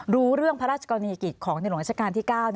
รู้เรื่องพระราชกรณีกิจของในหลวงราชการที่๙